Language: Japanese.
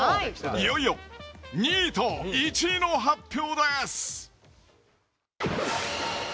いよいよ２位と１位の発表です。